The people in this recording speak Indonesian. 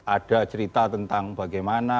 ada cerita tentang bagaimana